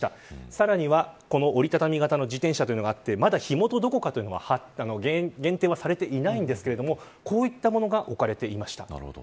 さらには折り畳み型自転車があってまだ、火元がどこかは限定されていないんですがこういったものが置かれていました。